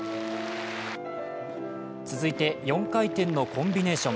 続いて、４回転のコンビネーション。